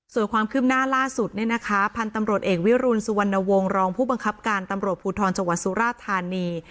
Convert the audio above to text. ส่วนความคืบหน้าล่าสุดเนี่ยนะคะพันธุ์ตำรวจเอกวิรุณสุวรรณวงศ์รองผู้บังคับการตำรวจภูทรจังหวัดสุราธานี